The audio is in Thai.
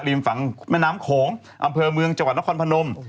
ริมฝั่งแม่น้ำโขงอำเภอเมืองจวันและคนผงม